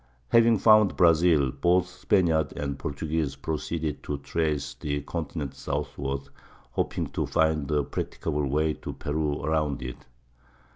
Having found Brazil, both Spaniards and Portuguese proceeded to trace the continent southward, hoping to find a practicable way to Peru around it.